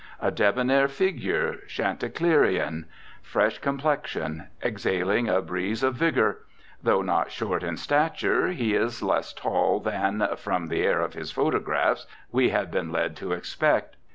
A debonair figure, Chanticleerian. Fresh complexion. Exhaling a breeze of vigour. Though not short in stature, he is less tall than, from the air of his photographs, we had been led to expect.